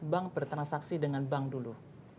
bank bertransaksi dengan bank dulu